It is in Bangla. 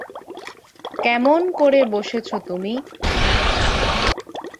কেমন করে বসেছ তুমি।